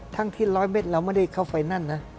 ทั้งที่๑๐๐เมตรเราไม่ได้เข้าไปนั่นนะ